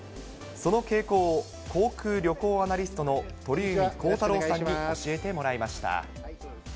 その傾向を、航空・旅行アナリストの鳥海高太朗さんに教えてもらいました。